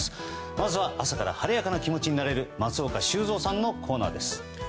まずは、朝から晴れやかな気持ちになれる松岡修造さんのコーナーです。